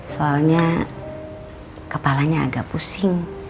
soalnya kepalanya agak pusing